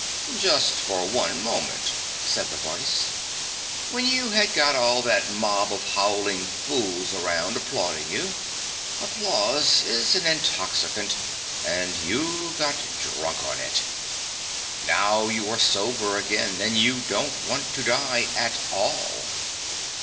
'Just for one moment/ said the voicCj 'when you had got all that mob of howling fools around applauding you. Applause is an intoxicant, and you got drunk on it. Now you are sober again, and you don't want to die at all.